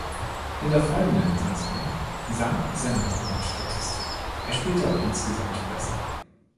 In der folgenden Saison sanken seine Home-Run-Statistiken, er spielte aber insgesamt besser.